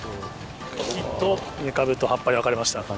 茎とメカブと葉っぱに分かれました。